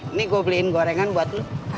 ini gue beliin gorengan buat lo